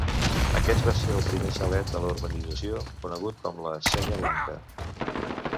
Aquest va ser el primer xalet de la urbanització, conegut com la Senya Blanca.